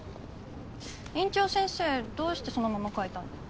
院長先生どうしてそのまま書いたんだろ。